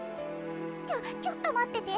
ちょちょっとまってて。